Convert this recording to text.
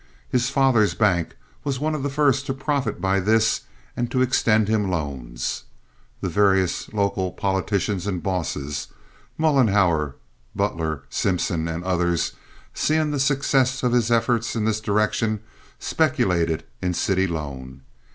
His father's bank was one of the first to profit by this and to extend him loans. The various local politicians and bosses—Mollenhauer, Butler, Simpson, and others—seeing the success of his efforts in this direction, speculated in city loan.